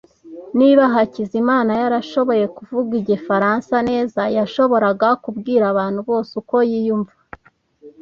Niba Hakizimana yarashoboye kuvuga igifaransa neza, yashoboraga kubwira abantu bose uko yiyumva.